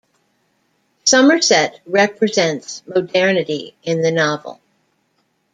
Somerset represents modernity in the novel.